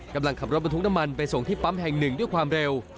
กำลังขับรถบรรทุกน้ำมันไปส่งที่ปั๊มแห่งหนึ่งด้วยความเร็ว